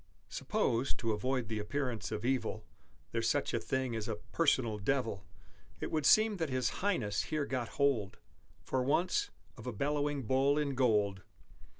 Suppose (to avoid the appearance of evil) There's such a thing as a Personal Devil, It would seem that his Highness here got hold, For once, of a bellowing Bull in Gold!